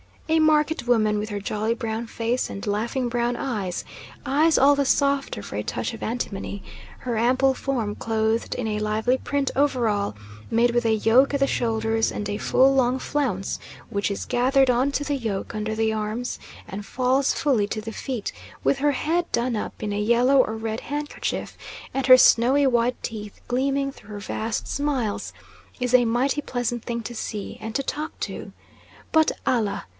A market woman with her jolly brown face and laughing brown eyes eyes all the softer for a touch of antimony her ample form clothed in a lively print overall, made with a yoke at the shoulders, and a full long flounce which is gathered on to the yoke under the arms and falls fully to the feet; with her head done up in a yellow or red handkerchief, and her snowy white teeth gleaming through her vast smiles, is a mighty pleasant thing to see, and to talk to. But, Allah!